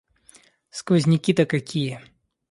Сквозняки-то какие!